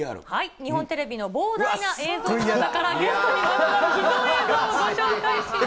日本テレビの膨大な映像の中から、ゲストにまつわる秘蔵映像をご紹介します。